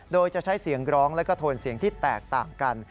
โดยจะใช้เสียงร้องและก็โทนเสียงที่แตกต่างกัน